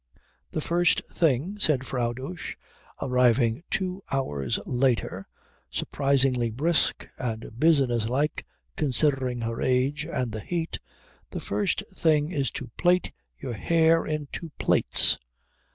"The first thing," said Frau Dosch, arriving two hours later, surprisingly brisk and business like considering her age and the heat, "the first thing is to plait your hair in two plaits."